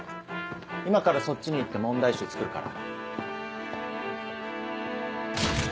今からそっちに行って問題集作るから。